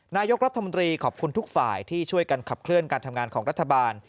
นายกรัฐมนตรีขอบคุณทุกฝ่ายที่ช่วยกันขับเคลื่อนการทำงานของรัฐบาล